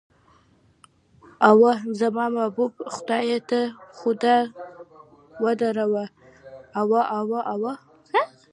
اوه، زما محبوب خدایه ته خو دا ودروه، اوه اوه اوه.